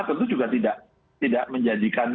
tentu juga tidak menjadikan